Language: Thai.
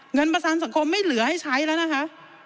เงินประกันสังคมไม่เหลือให้ใช้แล้วนะคะ